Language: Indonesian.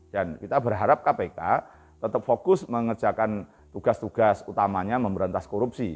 dan kita berharap kpk tetap fokus mengerjakan tugas tugas utamanya memberantas korupsi